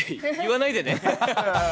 言わないでね。